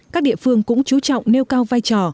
các địa phương cũng chú trọng nêu cao vai trò